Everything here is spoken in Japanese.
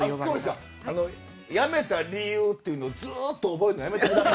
辞めた理由というのをずっと覚えるのやめてください。